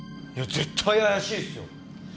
いや絶対怪しいっすよ！